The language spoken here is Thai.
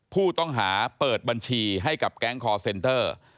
ผู้ต้องหาเปิดบัญชีให้กับแก๊งคอร์เซนเตอร์